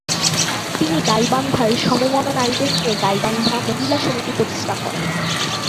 তিনি গাইবান্ধায় সমমনা নারীদের নিয়ে গাইবান্ধা মহিলা সমিতি প্রতিষ্ঠা করেন।